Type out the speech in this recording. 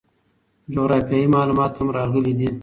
جغرافیوي معلومات هم راغلي دي.